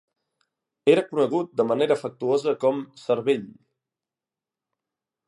Era conegut de manera afectuosa com "Cervell".